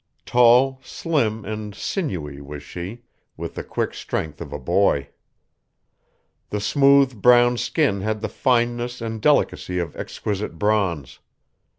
Tall, slim, and sinewy was she, with the quick strength of a boy. The smooth, brown skin had the fineness and delicacy of exquisite bronze.